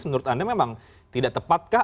menurut anda memang tidak tepat kah